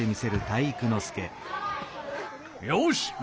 よし！